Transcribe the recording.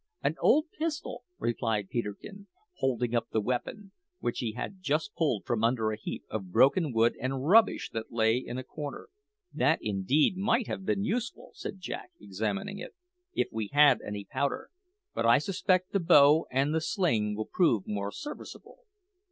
"An old pistol," replied Peterkin, holding up the weapon, which he had just pulled from under a heap of broken wood and rubbish that lay in a corner. "That, indeed, might have been useful," said Jack, examining it, "if we had any powder; but I suspect the bow and the sling will prove more serviceable."